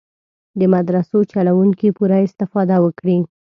د مدرسو چلوونکي پوره استفاده وکړي.